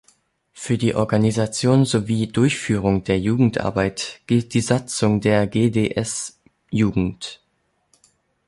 Für die Organisation sowie Durchführung der Jugendarbeit gilt die Satzung der GdS-Jugend.